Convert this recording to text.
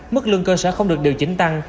mức lương cơ sở không được điều chỉnh tăng